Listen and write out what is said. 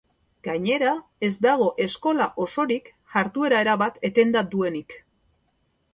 Gainera, ez dago eskola osorik jarduera erabat etenda duenik.